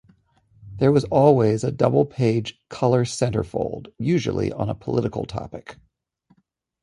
There was always a double-page color centerfold, usually on a political topic.